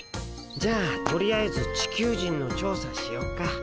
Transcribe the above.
じゃあとりあえずチキュウジンの調査しよっか。